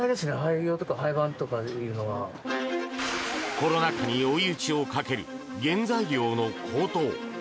コロナ禍に追い打ちをかける原材料の高騰。